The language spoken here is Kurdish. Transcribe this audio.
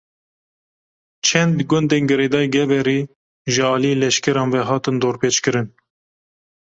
Çend gundên girêdayî Geverê, ji aliyê leşkeran ve hatin dorpêçkirin